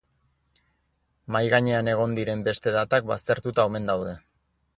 Mahai gainean egon diren beste datak baztertuta omen daude.